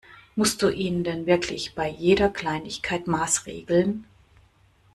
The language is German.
Musst du ihn denn wirklich bei jeder Kleinigkeit maßregeln?